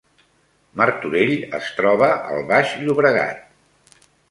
Martorell es troba al Baix Llobregat